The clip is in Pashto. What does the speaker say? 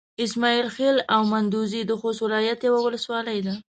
اسماعيل خېل او مندوزي د خوست ولايت يوه ولسوالي ده.